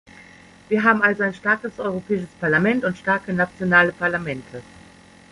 Wir haben also ein starkes Europäisches Parlament und starke nationale Parlamente.